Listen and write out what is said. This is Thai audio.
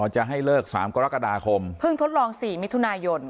อ๋อจะให้เลิกสามกรกฎาคมเพิ่งทดลองสี่มิถุนายน